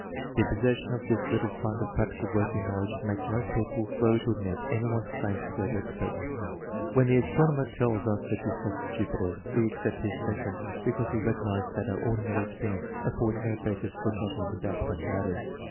The possession of this little fund of practical working knowl edge makes most people slow to admit any one's claim to greater expertness. When the astronomer telln us the dis tance to Jupiter, we accept his statement, because we SOURCES OF ERROR IN JUDGING 23 recognize that our ordinary experience affords no basis for judgment about such matters.